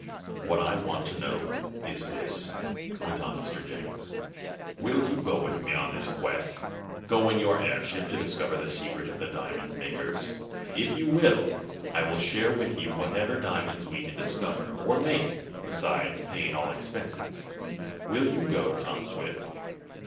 "What I want to know is this," went on Mr. Jenks. "Will you go with me on this quest go in your airship to discover the secret of the diamond makers? If you will, I will share with you whatever diamonds we can discover, or make; besides paying all expenses. Will you go, Tom Swift?"